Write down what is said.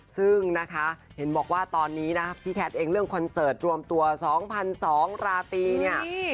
ซึ่งนะคะเห็นบอกว่าตอนนี้นะพี่แคทเองเรื่องคอนเสิร์ตรวมตัว๒๒๐๐ราตรีเนี่ย